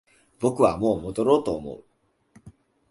僕はもう戻ろうと思う